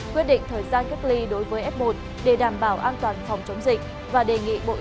quyết định thời gian kết ly đối với f một để đảm bảo an toàn phòng chống dịch và đề nghị bộ y tế cấp thương vaccine